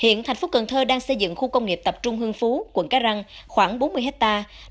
hiện thành phố cần thơ đang xây dựng khu công nghiệp tập trung hương phú quận cái răng khoảng bốn mươi hectare